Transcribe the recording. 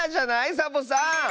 サボさん。